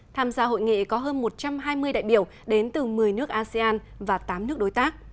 tham gia hội nghị có hơn một trăm hai mươi đại biểu đến từ một mươi nước asean và tám nước đối tác